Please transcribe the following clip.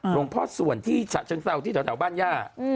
หลวงพ่อส่วนที่ฉะเชิงเศร้าที่แถวบ้านย่า